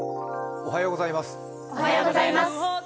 おはようございます。